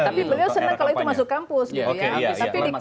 tapi beliau senang kalau itu masuk kampus gitu ya